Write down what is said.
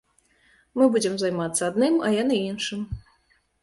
Мы будзем займацца адным, а яны іншым.